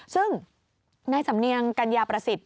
ซึ่งนายสำเนียงกัญญาประสิทธิ